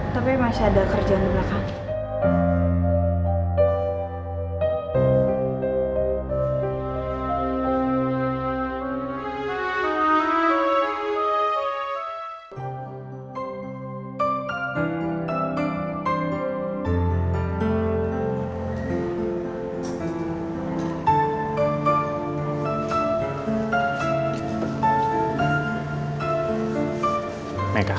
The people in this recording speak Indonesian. tapi masih ada kerjaan di belakang